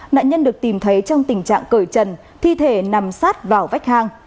nạn nhân được tìm thấy trong tình trạng cởi chân thi thể nằm sát vào vách hang